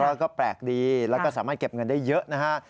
แล้วก็แปลกดีแล้วก็สามารถเก็บเงินได้เยอะนะฮะ